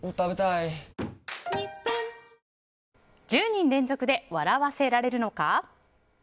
１０人連続で笑わせられるのか？